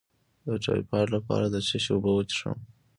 د ټایفایډ لپاره د څه شي اوبه وڅښم؟